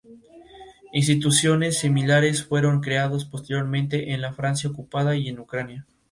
Instituciones similares fueron creados posteriormente en la Francia ocupada y en Ucrania.